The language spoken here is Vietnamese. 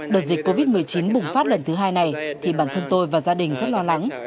đợt dịch covid một mươi chín bùng phát lần thứ hai này thì bản thân tôi và gia đình rất lo lắng